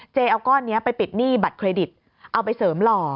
เอาก้อนนี้ไปปิดหนี้บัตรเครดิตเอาไปเสริมหล่อ